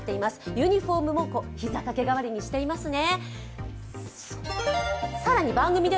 ユニフォームもひざかけ代わりにしていますね